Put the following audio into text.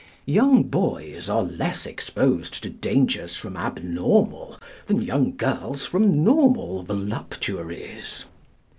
Young boys are less exposed to dangers from abnormal than young girls from normal voluptuaries.